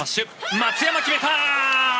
松山、決めた！